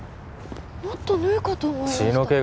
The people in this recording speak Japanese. もっと縫うかと思いました